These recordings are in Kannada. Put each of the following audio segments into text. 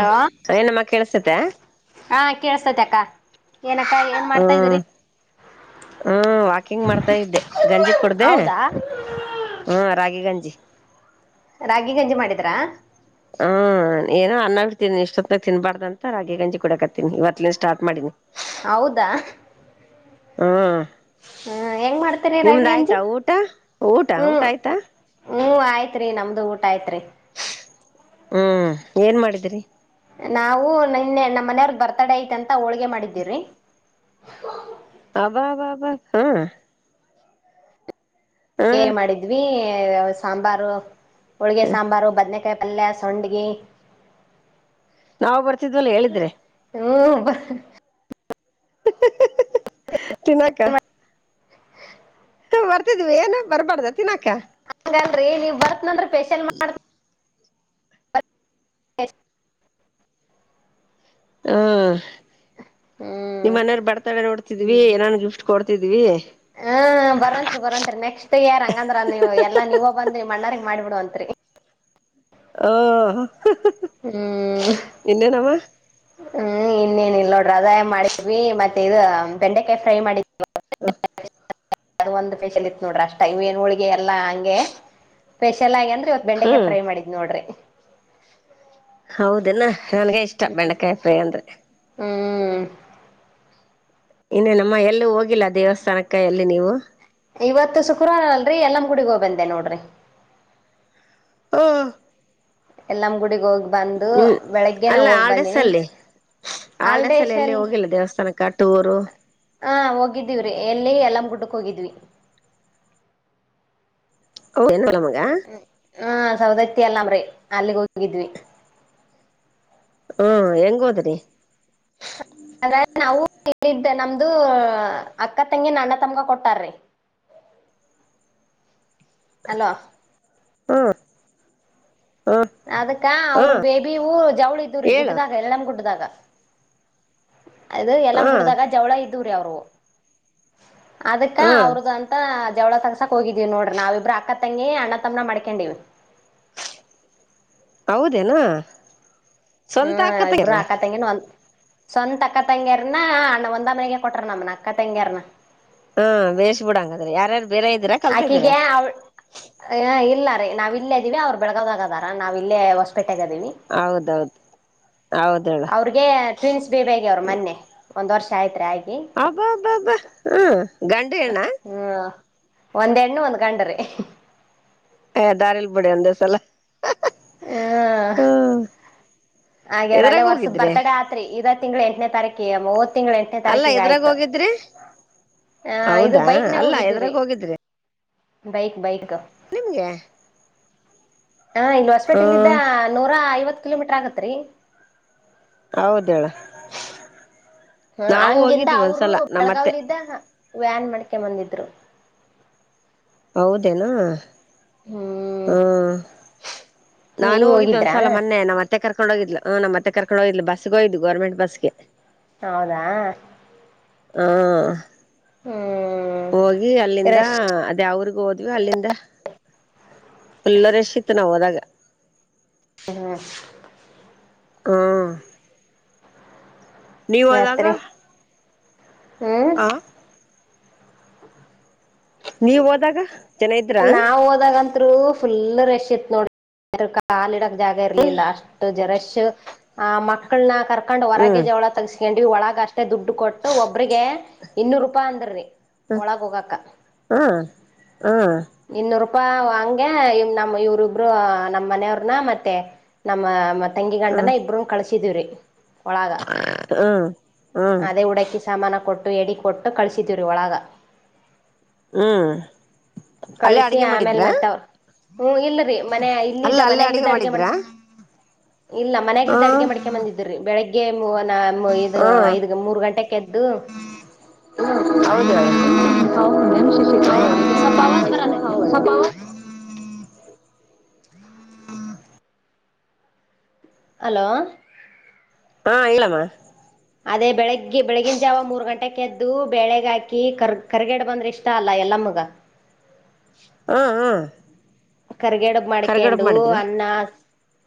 ಹಾ ಏನಮ್ಮ ಕೇಳಸ್ತತೆ ಹಾ ಕೇಳಸ್ತತೆ ಅಕ್ಕ ಏನ ಅಕ್ಕ ಏನ್ ಮಾಡ್ತಾ ಇದ್ದೀರಿ ಹ್ಮ ವಾಕಿಂಗ್ ಮಾಡ್ತಾ ಇದ್ದೆ ಗಂಜಿ ಕುಡದೆ ಹೌದಾ ಹ್ಮ ರಾಗಿ ಗಂಜಿ ರಾಗಿ ಗಂಜಿ ಮಾಡಿದ್ರಾ ಹು ಹಾ ಏನೋ ಅನ್ನ ಹ ಬಿಡ್ತಿದಿನಿ ಇಷ್ಟೊತ್ನಾಗ ತಿನ್ಬಾರ್ದ ಅಂತ ರಾಗಿ ಗಂಜಿ ಕುಡಿಕತ್ತೀನಿ ಇವತ್ತಲಿಂದ ಸ್ಟಾರ್ ಮಾಡಿನಿ ಹೌದಾ ಹು ಹ್ಮ್ ಹೆಂಗ್ ಮಾಡ್ತೀರಿ ನಿಮ್ದ ರಾಗಿ ಗಂಜಿ ಆಯ್ತಾ ಊಟ ಊಟ ಊಟ ಆಯ್ತಾ ಹ್ಮ ಆಯ್ತ್ರಿ ನಮ್ದು ಊಟ ಆಯ್ತ್ರಿ ಹ್ಮ್ ಏನ್ ಮಾಡಿದ್ರರಿ ನಾವು ನಿನ್ನೆ ನಮ್ಮ ಮನೆಯವ್ರಗ್ ಬರ್ತಡೆ ಐತೆ ಅಂತ ಹೋಳ್ಗೆ ಮಾಡಿದ್ದೀವರಿ ಅಬಬಬಾ ಹು ಹೇ ಮಾಡಿದ್ವಿ ಸಾಂಬಾರು ಹೋಳ್ಗೆ ಸಾಂಬಾರು ಬದ್ನೇಕಾಯಿ ಪಲ್ಯ ಸೋಂಡಿಗಿ ನಾವು ಬರ್ತಿದ್ವಲ್ಲ ಹೇಳಿದ್ರೆ ಹ್ಮ ತಿನಕ ಹ -ಬರ್ತಿದ್ವಿ ಏನ್ ಬರ್ಬಾರ್ದ ತಿನಾಕೆ ಹಾಗಲ್ರರಿ ನೀವ್ ಬರ್ತನಂದ್ರೆ ಫೇಶಿಯಲ್ ಮಾಡ ಹಷ್ಟ ಹಾ -ನಿಮ್ಮ ಹ್ಮ್ ಮನೆಯವರು ಬರ್ತಾಳೆ ನೋಡ್ ದ್ವಿ ಏನಾನನ್ ಗಿಫ್ಟ್ ಕೊಡ್ತಿದ್ವಿ. ಹ್ಮ -ಬರವಂತ್ರಿ ಬರವಂತ್ರಿ ನೆಕ್ಸ್ಟ್ ಯಾರ ಹಂಗಂದ್ರ ನೀವು ಎಲ್ಲಾ ನೀವ ಬಂದ್ರಿ ಮಣ್ಣಾರಗ್ ಮಾಡಿಬ ಬಿಡಂತ್ರಿ ಹ ಹ್ಮ್ ಹ್ಮ್- ಇನ್ನೇನ ಇಲ್ಲ ನೋಡ್ರಿ ಅದಾಯ ಮಾಡಿದ್ವಿ ಮತ್ತೆ -ಇ -ಬೆಂಡೆಕಾಯಿ ಫ್ರೈ ಮಾಡಿದ್ಅ ಹ ಅದು ಒಂದು ಫಷಿಯಲ್ ಇತ್ತು ನೋಡ್ರಿ ಅಷ್ಟ ಇವೇನ್ ಹೋಳ್ಗೆ ಎಲ್ಲಾ ಹಂಗೆ ಫೇಷಿಯಲ್ ಆಗಿ ಅಂದ್ರೆ ವತ್ ಬೆಂಡೆ ಹ್ಮ್ -ಫ್ರೈ -ಮಾಡಿದ್ ನೋಡ್ರಿ ಹೌದೇನಾ ನನ್ಗೆ ಇಷ್ಟ ಬೆಂಡೆಕಾಯಿ ಪ್ರೈ ಅಂದ್ರೆ ಹ್ಮ್ ಇನ್ನೇ ನಮ್ಮ ಎಲ್ಲೂ ಹೋಗಿಲ್ಲ ದೇವಸ್ಥಾನಕ್ಕ ಎಲ್ಲಿ ನೀವು. ಇವತ್ತು ಶುಕ್ರವಾರ ಅಲ್ರರಿ ಎಲ್ಲಂ ಗುಡಿಗ ಹ ಬಂದೆ ನೋಡ್ರಿ ಹಾ ಎಲ್ಲಮ ಗುಡಗ್ ಹೋಗ್ ಬಂದು ಬೆಳಗ್ಗೆ ಅಲ್ಲ ನಾವ ಹೋಗ್ ಆಲ್ಡೇಸ್ ಬಂದೀನಿ. ಅಲ್ಲಿ ಆಲ್ ಆಲ್ಡೇಸ್ ಅಲ್ಲಿ ಎಲ್ಲಿ ದೇಶಲ್- ಹೋಗಿಲ್ಲ ದೇವಸ್ಥಾನಕ್ಕ ಟೂರು ಹ -ಹೋಗಿದ್ದೆ ಎಲ್ಲ ಎಲ್ಲಮ್ಮ ಗುಡ್ಕ್ ಹೋಗಿದ್ವಿ. ಹೌದಏಲ ಮಗ ಹಾ ಸವದತ್ತ ಅಲ್ಲಾಮ್ರರಿ ಅಲ್ಲಿಗೆ ಹೋಗಿದ್ವಿ ಹಾ- ಹೆಂಗ ಹೋದ್ರಿ ಅ- ನಾವು ಮತ್ತೆ ನಮ್ದು -ಉ- ಅಕ್ಕ ತಂಗಿ ನನ್ನ ತಮಗ ಕೊಟ್ಟಾರಿ. ಹಲೋ ಹಾ ಅದಕ್ಕ ಅವ್ರ ಬೇಬಿ -ಊ -ಜವಳಿ ಇದವ್ರೀ ಹೇಳು ಗುಡ್ಡದಾಗ ಎಲ್ಲಮ ಗುಡ್ಡದಾಗ. ಅದು ಎಲ್ಲ ಹ್ಮ್ ಕುಡ್ದಾಗ ಜವಳ ಇದ್ದವ್ರೀ ಅವರು. ಅದಕ್ಕ ಹ್ಮ್ ಅವ್ರ್ದಂತ. ಜವಳ ತ್ಸಕಕ್ ಹೋಗಿದೀವಿ ನೋಡ್ರ ನಾವವುಬ್ ಅಕ್ಕ ತಂಗಿ ಅಣ್ಣ ತಮ್ಮ್ನ ಮಾಡ್ಕೊಂಡಿವವಿ. ಹೌದೇನಾ. ಹ್ಮ್ -ಇಬ್ರು ಆಕ ತಂಗಿನ ಒಲ್. ಸ್ವಂತ ಅಕ್ಕ ತಂಗ್ಯಾರನ ಅಣ್ಣ ಒಂದ ಮನೆಗೆ ಕೊಟ್ರ ನಮನ ಅಕ್ಕ ತಂಗ್ಯಾರನ. ಹಾ -ಬೇಷ್ ಬಿಡಂಗಾದ್ರೆ ಯಾರ್ದು. ಆಕಿಗೆ ಅವಘ ಇಲ್ಲ -ರೀ -ನಾವವು ಇಲ್ಲೇ ಇದಿವವಿ ಅವ್ರು ಬೆಳಗೋದಾಗದಾರ ನಾವ -ಇ- ಹೊಸ್ಪೆ ಹೌದೌದು ಹೌದಳ ಅವ್ರಿಗೆ ಟ್ವಿನ್ಸ್ ಬೇಬಿ ಆಗಿ ಅವರು ಮೊನ್ನೆ ಒಂದ್ ವರ್ಷ ಆಯ್ತ್ರಿ ಆಯ್ತ. ಹಬ್ಬಬ್ಬಬ್ಬ- ಹ್ಮ -ಗಂಡು ಹೆಣ್ಣು. ಹ್ಮ್ ಒಂದ್ ಹೆಣ್ಣು ಒಂದ್ ಗಂಡ್ರಿ. ಹ- ದಾರಿಲ್ ಬಿುಡಿ ಅಂದ ಸಲ ಹ್ಮ ಹ -ಹಾಗ್ಯಾರ ಅಲ್ಲೇ ಎದ್ರಾಗ ವರ್ಸದ್ ಹೋಗಿದ್ರಿ ಬರ್ತಡ ಆತ್ರಿ ಇದ. ತಿಂಗಳ ಎಂಟನೇತಾರೀಕಿಗೆ ಮೂವತ್ತು ತಿಂಗಳ ಎಂಟನೇ ಅಲ್ಲ ತಾರೀಕಿಗೆ ಎದ್ರಾಗ ಆಯ್ತು. ಹೋಗಿದ್ರಿ ಹ- ಇದು ಹೌದಾ ಬೈಕ್ನಾಗ ಅಲ್ಲ ಹೋಗಿದ್ದೀವ್ರಿ ಎದ್ರಾಗ ಬೈಕ್ ಬೈಕ್. ನಿಮ್ಮ -ಗೆ ಹಾ- ಇಲ್ಲಿ ಹೊಸಪೇಟೆಲ್ಲಿದ್ದ ನೂರಾ ಐವತ್ ಕಿಲೋಮೀಟರ್ ಆಗತ್ರಿ. ಹೌದೇಳು ಹ- ಹಂಗಿಂದ ಅವರು ನಮ್ಮತ್ತೆ ಬೆಳಗಾವ್ಲಿದ್ದ ವ್ಯಾನ್ ಮಡ್ಕೆ ಬಂದಿದ್ರು. ಹೌದೇನಾ ಹ್ಮ್ ಹ್ಮ ನಾನು ನೀವ್ ಹೋಗಿದ್ದೆ ಹೋಗಿದ್ರಾ ಒಂದ್ಸಲ ಮೊನ್ನೆ ನಮ್ಮ ಅತ್ತ ಅತ್ತೆ ಕರ್ಕೊಂಡ ಹೋಗಿದ್ಲ ಹ ನಮ್ಮ ಅತ್ತೆ ಕರ್ಕೊಂಡ ಹೋಗಿದ್ಲ ಬಸ್ಗ ಹೋಗ್ದ್ವಿ ಗೋರ್ಮೆಂಟ್ ಬಸ್ಗೆ. ಹೌದಾ. ಹಾ ಹ್ಮ್ ಹೋಗಿ ಅಲ್ಲಿಂದ ರಶ್ ಅದ್ಯಾವ್ ಊರಿಗೋ ಹೋದ್ವಿ ಅಲ್ಲಿಂದ ಫುಲ್ಲ ರಷ ಇತ್ತು ನಾವ ಹೋದಾಗ. ಹ್ಮ ಹ ನೀವ ಹೋದಾಗ. ಹ್ಮ ಆ ನೀವ ಹೋದಾಗ. ಜನ ಇದ್ರಾ ನಾವ್ ಹೋದಾಗಂತ್ರು ಫುಲ್ ರಶ್ ಇತ್ ನೋಡ್ರ ಕಾಲಿಡಾಕ್ ಜಾಗ ಇರ್ಲಿಲ್ಲ ಅಷ್ಟು ಜರಶ್ ಆ ಮಕ್ಕಳನ್ನ ಕರ್ಕೊಂಡ್ ಹೊರಗೆ ಹ್ಮ್ ಜವಳ ತಗಸ್ಕಂಡ ಒಳಗ ಅಷ್ಟೇ ದುಡ್ಡು ಕೊಟ್ಟು ಒಬ್ರಿಗೆ ಇನ್ನೂರ ರೂಪಾಯಿ ಅಂದ್ ರಿ ಹ ಹ ಹ್ಮ ಇನ್ನೂರ ರೂಪ್ ಪ್ಪಾವ ಹಂಗೆ ನಮ್ಮ್ ಇವ್ರಿಬ್ರು ನಮ್ಮ್ ಮನೆಯವ್ರನ ಮತ್ತೆ ನಮ್ಮ ಮತ್ತ ತಂಗಿ ಗಂಡನ ಹ್ಮ್ ಇಬ್ಬರುನೂ ಕಳಸಿದುವ್ರಿ. ಒಳಗ ಹ್ಮ್ ಅದೇ ಉಡೆಕ್ಕಿ ಸಾಮಾನ ಕೊಟ್ಟ ಎಡಿ ಕೊಟ್ಟ ಕಳಿಸಿದ್ವಿರಿ ಒಳಗ. ಹ್ಮ್ ಅಲ್ಲೇ ಕಳಿಸಿ ಅಡ್ಗೆ ಆಮೇಲ್ ಮಾಡಿದ್ರಾ ಮತ್ತ ಅವ್ರ ಹ್ಮ್ ಇಲ್ಲರೀ ಮನೆಯ ಅಲ್ಲ ಇಲ್ಲಿದ್ದ ಅಲ್ಲೇ ಅಡಗೆ ಮನೆಯಲ್ಲಿದ್ದ ಅಡ್ಗೆ ಮಾಡ ಮಾಡಿದ್ರಾ ಇಲ್ಲ ಹ ಮನೆಲಿದ್ದ ಅಡಗೆ ಮಾಡ್ಕೊಂಡ ಬಂದಿದ್ದ ರಿ ಬೆಳಿಗ್ಗೆ ಮೂ ನಾ ಮ ಇದು ಹ ಐದ್ ಮೂರ ಗಂಟೆಕ್ಕ್ ಎದ್ದ ಎದ್ದು [unintelligible] ಹ ಹ ಸೊಪ್ಪ ಅವಾಜ ಬರಾತೇತ್ರಿ. ಅಲೋ. ಹಾ ಹೇಳಮ್ಮ. ಅದೇ ಬೆಳಿಗ್ಗೆ ಬೆಳಗಿನ ಜಾವ ಮೂರ್ ಗಂಟೆಕ್ಕ ಎದ್ದು ಬೆಳಗ್ ಹಾಕಿ ಕರ್ ಕರ್ಗಡಬ ಅಂದ್ರೆ ಇಷ್ಟ ಅಲ್ಲಾ ಎಲ್ಲಾ ಮ್ಮಗ್. ಹ ಹಾ ಕರ್ಗಡಬ ಕರ್ಗಡಬ ಮಾಡ್ಕ್ಯಂಡು ಮಾಡಿದ್ರ ಅನ್ನ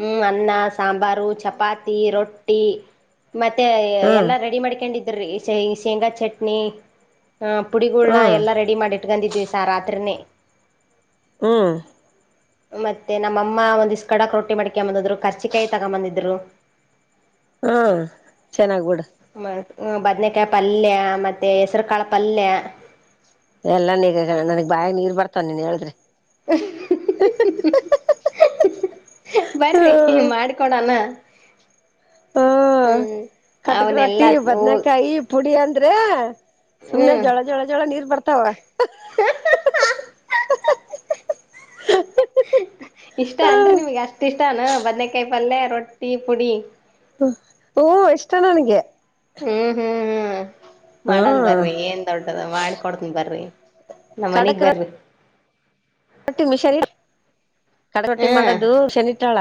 ಹ್ಮ್ ಅನ್ನಾ ಸಾಂಬಾರು ಚಪಾತಿ ರೊಟ್ಟಿ ಮತ್ತೆ ಹ್ಮ್ ಎಲ್ಲಾ ರೆಡಿ ಮಾಡ್ಕ್ಯಂಡಿದ್ದರಿ ಶೇಂಗಾ ಚಟ್ನಿ ಹ ಪುಡಿಗೋಲ್ನಾ ಹ್ಮ್ ಎಲ್ಲ ರೆಡಿ ಮಾಡಿ ಇಟ್ಕಂದಿದ್ವಿ ಸಹ ರಾತ್ರಿನೇ ಹ್ಮ ಮತ್ತೆ ನಮ್ಮಮ್ಮ ಒಂದ ಇಸ್ ಕಡಕ್ ರೊಟ್ಟಿ ಮಾಡ್ಕ್ಯಂಬ ಬಂದದ್ರು ಕರ್ಚಿಕಾಯಿ ತಗೊಬಂದಿದ್ರು. ಹ್ಮ ಚೆನ್ನಾಗ್ಬಿಡ. ಹ್ಮ್ ಬದ್ನೇಕಾಯಿ ಪಲ್ಯ ಮತ್ತೆ ಹೆಸರಕಾಳ ಪಲ್ಯ. ಎಲ್ಲಾ ನೀಗ ನನಗ್ ಬಾಯಾಗ್ ನೀರ್ ಬರ್ತವ ನೀನ್ ಹೇಳಿದ್ರೆ. [unintelligible] ಬರ್ರಿ ಹ್ಮ ಮಾಡ್ಕೊಡಣ. ಹಾ ಹ್ಮ್ ಕಟಕ ರೊಟ್ಟಿ ಅವನೆಲ್ಲಾ ಬದನಕಾಯಿ ಪುಡಿ ಅಂತ ಇದ್ರೆ ಸುಮ್ನೆ ಹ್ಮ್ ಜಳ ಜಳ ಜಳ ನೀರ್ ಬರ್ತಾವ. ಹ್ಮ ಏನ್ ಬದನೆಕಾಯಿ ಪಲ್ಯ ರೊಟ್ಟಿ ಪುಡಿ. ಹೂ ಇಷ್ಟ ನನ್ಗೆ. ಹ್ಮ್ ಹ್ಮ್ ಹ್ಮ್ ಹಾ ಮಾಡನ್ ಬರ್ರಿ ಏನ್ ದೊಡ್ಡದು ಮಾಡಿಕೊಡ್ತನ್ ಬರ್ರಿ. ನಾ ಮನಿಗ್ ಕಡಕ್ ಬರ್ರಿ. ರೊಟ್ಟಿ ಮಿಶನ್ ಇಟ್ಟ ರೊಟ್ಟಿ ಹ್ಮ ಮಾಡದು ಮಿಶನ್ ಇಟ್ಟಾಳ.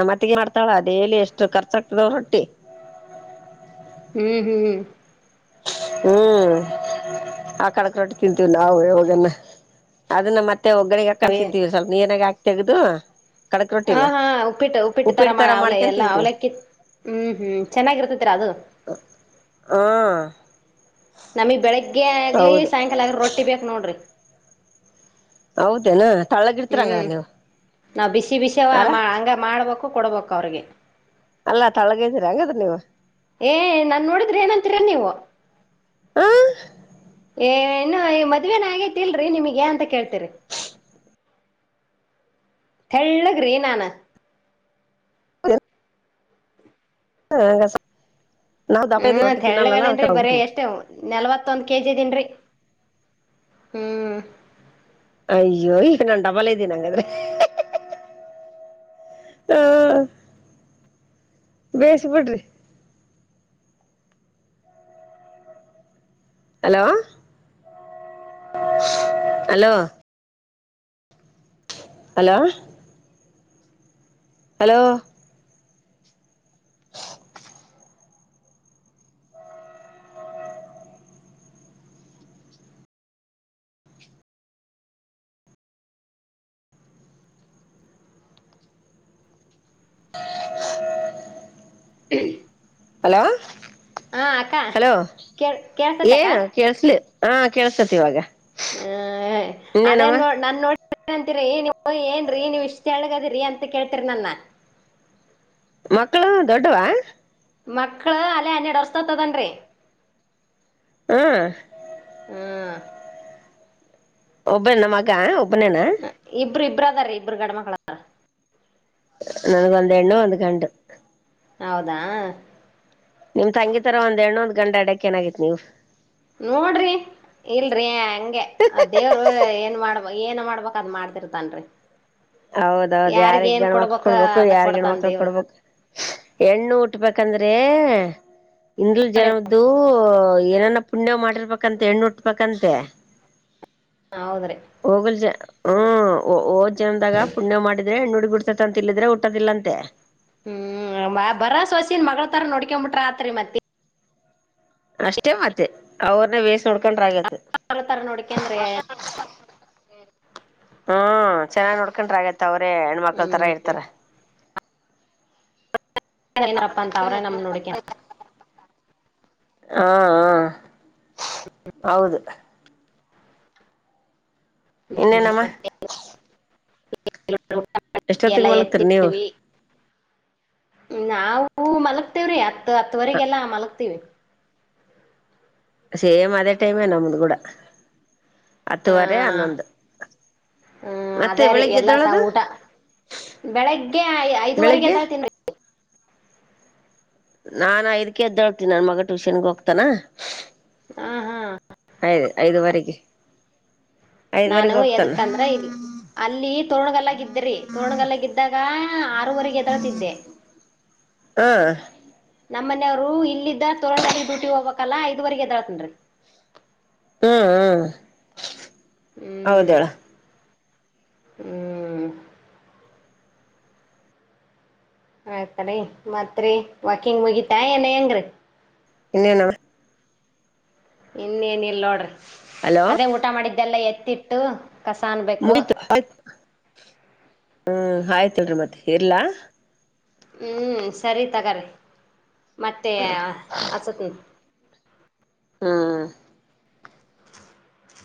ನಮ್ಮತ್ತಗೆ ಮಾಡ್ತಾಳ ಡೈಲಿ ಎಷ್ಟು ಖರ್ಚಾಗ ಆಗ್ತದವ್ ಹೊಟ್ಟಿ ಹ್ಮ್ ಹ್ಮ್ ಹ್ಮ ಹ್ಮ್ ಆ ಕಡಕ ರೊಟ್ಟಿ ತಿಂತೀವಿ ನಾವು ಯಾಗನ ಅದನ್ನ ಮತ್ತೆ ಮತ್ತೆ ಅವೇನ್ ಒಗ್ಗಾಕೊಂಡ್ಸಂತೀವಿರ ಸ್ವಲ್ಪ ನೀನ್ನಾಗ ಆಕ್ ತಗ್ದದು ಹ ಹಾ ಉಪ್ಪಿಟ್ಟು ಉಪ್ಪಿಟ್ಟ ತರ ಮಾಡ ಅವ್ಳ ಮಾಡ್ಕೊಂಡ್ ಎಲ್ಲಾ ಅವ್ಲ ತಿಂತೀವಿ ಕಿ ಹ್ಮ್ ಹ್ಮ್ ಚೆನ್ನಾಗಿರ್ತತಿರಾ ಅದು ಹ ನಮಗ್ ಬೆಳಿಗ್ಗೆ ಆಗ್ಲಿ ಸಾಯಂಕಾಲ ಆಗ್ರ ರೊಟ್ಟಿ ಬೇಕಕ್ ನೋಡ್ರಿ ಹೌದೇನಾ ತಳ್ಳಗ ಇಡ್ತರಂಗದ ಹ್ಮ್ ನೀವು ನಾವ್ ಬಿಸಿ ಬಿಸ ಅಲ್ಲ ಹಂಗ ಮಾಡ್ಬೇಕು ಕೊಡ್ಬೇಕು ಅವ್ರಿಗೆ ಅಲ್ಲಾ ತಳಗದಿರ ಹಂಗದ ನೀವ್ ಏ ನಾನ್ ನೋಡಿದ್ರೆ ಏನಂತೀರ ನೀವು ಆ ಏ ಇನ್ನು ಈ ಮದ್ವೆನ ಆಗೈತಿಲ್ರಿ ನಿಮಗೆ ಏ ಅಂತ ಕೇಳ್ತರಿ ತೆಳ್ಳ ಗ್ರೀನ್ನ ಹ ಹಸ ಹ್ಮ ತೆಳ್ಳಗದೇನ್ರಿ ಬರೀ ಎಷ್ಟು ನಲ್ವತ್ತೊಂದ್ ಕೆಜಿ ಇದೇನ್ರಿ ಹ್ಮ್ ಅಯ್ಯೋ ಈಗ ನನ್ ಡಬಾಲ ಇದ್ದೀನಂಗಾದ್ರೆ ಹಾ ಬೇಸ ಬಿಡ್ರಿ ಹಲೋ ಹಲೋ ಹಲೋ ಹಲೋ ಹ ಹ್ಮ ಹಲೋ ಹಲೋ ಕೇಳ್ ಕೇಳ್ಸತಕ್ಕ ಏನು ಕಳ್ಸ ಹಾ ಕೇಸತಿ ಇವಾಗ ಹ್ಮ ಅದೇ ಇನ್ನೇನಮ್ಮ ನೋ ನನ್ ನೋಡಿ ಅಂತಿರರಿ ಏ ನೀ ಯ್ ಏನ್ ನೀವು ಇಷ್ಟೆಳಗದ್ರಿ ಅಂತ ಕೇಳ್ತೀರಿ ನನ್ನ ಮಕ್ಕಳು ದೊಡ್ಡವಾ ಮಕ್ಕಳು ಅಲ್ಲೇ ಹನ್ನೆರಡು ವರ್ಷತದನ್ರಿ ಹಾ ಹ್ಮ್ ಒಬ್ಬನ್ ಮಗ ಒಬ್ಬನ್ಣ ಇಬ್ರು ಇಬ್ ಅದಾರ ಇಬ್ಬರು ಗಡ ಮಕ್ಳದ ನನಗೆ ಒಂದ ಎಣ್ಣು ಒಂದು ಕಂಡು ಹೌದಾ ನಿಮ್ ತಂಗಿ ತರ ಒಂದ್ ಎಣ್ಣೊಂದ ಗಂಡ ಅಡಕ್ ಏನಾಗಾಗಿತ್ ನೀವವು ನೋಡ್ರಿ ಇಲ್ರಿ ಹಂಗೆ ಅ ದೇವ್ರು ಏನ್ ಮಾಡ ಏನ್ ಮಾಡ್ಬಬೇಕಕ್ ಅದ್ ಮಾಡ್ತಿರ್ತನ್ರಿ ಹೌದೌದು ಯಾರಿಗ್ ಗಂಡ್ಮಕ್ಳ ಕೊಡ್ಬೇಕು ಅದ ಯಾರ್ ಕೊಡ್ತಾನ ಗಣ್ಮಕ್ಳ ದೇವ್ರು ಕೊಡ್ಬೇಕು ಹೆಣ್ಣು ಉಟ್ಬೇಕಂದ್ರೆ ಇನ್ ಜನದ್ದು ಏನನ ಪುಣ್ಯ ಮಾಡಿರ್ಬೇಕಂತೆ ಹೆಣ್ಣು ಉಟ್ಬೇಕಂತೆ ಹೌದ್ರಿ ಹೋಗಲ್ ಜ ಹ್ಮ ಓದ್ ಜನದಾಗ ಪುಣ್ಯ ಮಾಡಿದ್ರೆ ನೋಡ್ ಬಿಡ್ತತ ಅಂತ ಇಲ್ಲಿದ್ರೆ ಊದಿಲ್ಲಂತೆ ಹ್ಮ್ ಬರ ಸೋಸನ್ ಮಗಳ ತರ ನೋಡ್ಕೊಬಿಟ್ರ ಆತ್ರಿ ಮತ್ತೆ ಅಷ್ಟೇ ಮತ್ತೆ ಅವ್ರನ್ನ ಬೇಸ್ ನೋಡ್ಕೊಂಡ್ರ ಆಗತ್ ಮಗಳ ತರ ನೋಡ್ಕೊಂಡ್ರೆ ಹ್ಮ ಚೆನ್ನಾಗಿ್ ನೋಡ್ಕೊಂಡ್ರ ಆಗತ್ತ ಮ ಅವ್ರೇ ಹೆಣ್ಮಕ್ಳ ತರ ಹ್ಮ್ ಇರ್ತಾರೆ ಏನಾರಪ್ಪ ಅಂತ ಅವ್ರೆ ನಮ್ಮ್ ನೋಡಿಕ ಹಾ ಹ ಹೌದು ಹ್ಮ್ ಇನ್ನೇನಮ್ಮ ಮತ್ತೆ ಟಿಯಲ ಎಷ್ಟೊತ್ತಿಗೆ ಮಲಗ್ತರಿ ನೀವು ಎತ್ತಟ್ಟವಿ ನಾವವು ಮಲಗ್ತೇವ್ರೀ ಹತ್ ಹತ್ತುವರೆಗೆಲ್ಲಾ ಮಲಗ್ತೀವಿ ಸೇಮ್ ಅದೇ ಟೈಮೇ ನಮ್ದ ಕೂಡ ಆ ಹತ್ತುವರೆ ಹನ್ನೊಂದು ಹ್ಮ್ ಮತ್ತೆ ಅದೇ ರೀ ಎಲ್ಲಾ ಸಹ ಬೆಳಿಗ್ಗೆದ್ದಳದ ಊಟ ಬೆಳಗ್ಗೆ ಐ ಐದುವರೆಗೆ ಎದ್ದಾರ ತಿನ್ ನಾನ್ ಐದ್ಕ ಎದ್ದ ಹಳ್ತೀನಿ ನನ್ ಮಗ ಟ್ಯೂಷನ್ಗೆ ಹೋಗ್ತಾನ ಹಾ ಹಾ ದು ಐದುುವರೆಗೆ ನಾನು ಎದಕ್ಕಂದ್ರ ಇ ಅಲ್ಲಿ ತೋಣಗಲ್ಲಗ ಇದ್ರಿ ತೋಣ್ಗಲ್ಲಗ ಇದ್ದಾಗ ಹ ಆರೂವರೆಗೆ ಎದಳತಿದ್ದೆ ಹಾ ನಮ್ಮ್ನೆಯವ್ರು ಇಲ್ಲಿದ್ದ ತೋರಣಗಲ್ಗ್ ಡ್ಯೂಟಿ ಹೋಗ್ಬೇಕಲ್ಲಾ ಐದುವರೆಗೆ ಎದ್ದಳತನ್ರಿ ಹ್ಮ್ ಹ್ಮ್ ಹ್ಮ್ ಹೌದಡ ಹ್ಮ್ ಆಯ್ತರಿ ಮತ್ರಿ ವಾಕಿಂಗ್ ಮುಗಿತಾ ಏನ ಹೆಂಗ್ರೀ ಇನ್ನಣ ಇನ್ನೇನಲ್ ನೋಡ್ರಿ ಹಲೋ ಅದೇ ಊಟ ಮಾಡಿದ್ದೆಲ್ಲ ಎತ್ತಿಟ್ಟು ಕಸ ಅನ್ಬೇಕು ಯತಯ ಹ್ಮ್ ಆಯ್ತಲ್ರಿ ಮತ್ತೆ ಇರ್ಲ್ಲಾ ಹ್ಮ್ ಸರಿ ತಗಾರಿರಿ ಮತ್ತೆ ಹಸತ್ ಹಾ